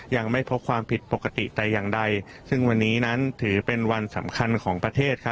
ยังไม่พบความผิดปกติแต่อย่างใดซึ่งวันนี้นั้นถือเป็นวันสำคัญของประเทศ